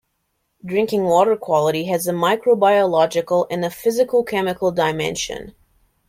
Drinking water quality has a micro-biological and a physico-chemical dimension.